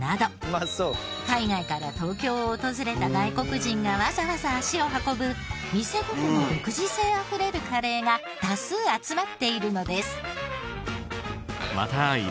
海外から東京を訪れた外国人がわざわざ足を運ぶ店ごとの独自性あふれるカレーが多数集まっているのです。